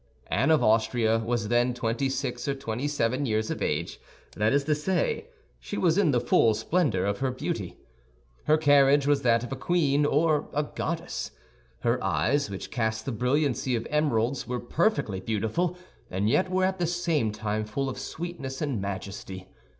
Anne of Austria was then twenty six or twenty seven years of age; that is to say, she was in the full splendor of her beauty. Her carriage was that of a queen or a goddess; her eyes, which cast the brilliancy of emeralds, were perfectly beautiful, and yet were at the same time full of sweetness and majesty.